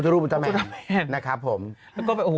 รูปตระแม่น